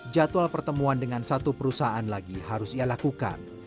jadwal pertemuan dengan satu perusahaan lagi harus ia lakukan